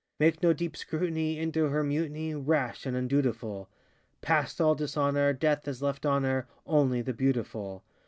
Make no deep scrutiny Into her mutiny Rash and undutiful; Past all dishonor, Death has left on her Only the beautiful.